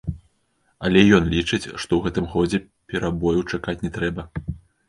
Але і ён лічыць, што ў гэтым годзе перабоеў чакаць не трэба.